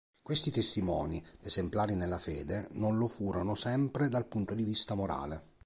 Questi testimoni, esemplari nella fede, non lo furono sempre dal punto di vista morale.